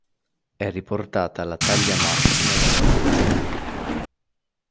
È riportata la taglia massima di di lunghezza.